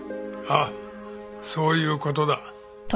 ああそういう事だ。